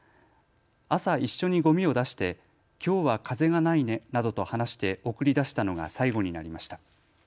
朝一緒にごみを出してきょうは風がないねなどと話して送り出したのが最後になりました。